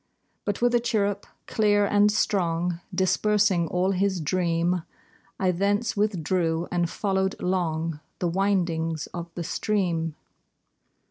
But with a chirrup clear and strong Dispersing all his dream, I thence withdrew, and followed long The windings of the stream.